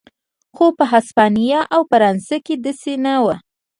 خو په هسپانیا او فرانسه کې داسې نه و.